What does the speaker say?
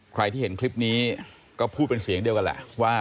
ใครที่เห็นคลิปนี้ก็พูดเป็นเสียงเดียวกันแหละว่า